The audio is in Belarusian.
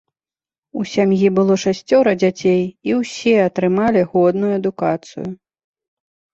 У сям'і было шасцёра дзяцей, і ўсе атрымалі годную адукацыю.